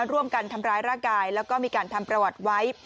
ร่วมกันทำร้ายร่างกายแล้วก็มีการทำประวัติไว้